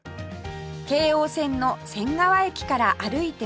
京王線の仙川駅から歩いて５分ほど